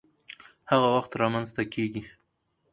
هغه وخت رامنځته کيږي،